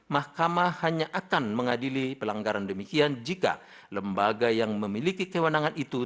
mahkamah hanya akan mengadili pelanggaran demikian jika lembaga yang memiliki kewenangan itu